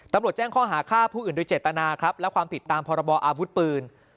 แจ้งข้อหาฆ่าผู้อื่นโดยเจตนาครับและความผิดตามพรบออาวุธปืน